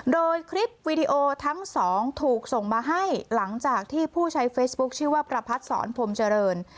โดยคลิปวีดีโอทั้งสองถูกส่งมาให้หลังจากที่ผู้ใช้เฟซบุ๊คชื่อว่าประพัดศรพรมเจริญ